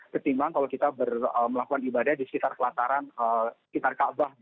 ketimbang kalau kita melakukan ibadah di sekitar kelataran sekitar kaabah